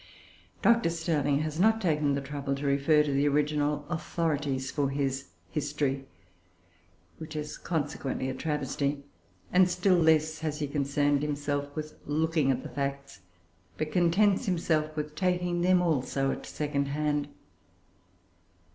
Dr. Stirling, has not taken the trouble to refer to the original authorities for his history, which is consequently a travesty; and still less has he concerned himself with looking at the facts, but contents himself with taking them also at second hand.